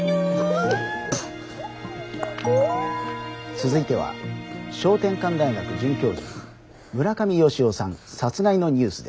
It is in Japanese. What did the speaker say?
「続いては翔天館大学准教授村上好夫さん殺害のニュースです。